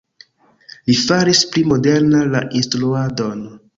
Li faris pli moderna la instruadon.